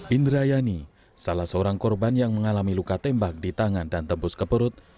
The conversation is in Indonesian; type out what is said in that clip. indrayani salah seorang korban yang mengalami luka tembak di tangan dan tembus ke perut